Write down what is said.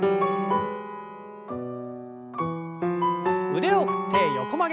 腕を振って横曲げ。